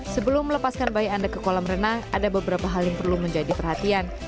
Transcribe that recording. sebelum melepaskan bayi anda ke kolam renang ada beberapa hal yang perlu menjadi perhatian